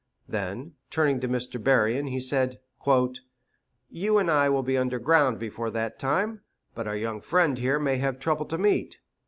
Then, turning to Mr. Berrien, he said, "You and I will be under ground before that time, but our young friend here may have trouble to meet."